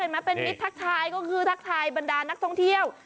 ถ้าเธอมาเป็นมิทรักไทยก็คือทักไทยบรรดานนักท่องเที่ยว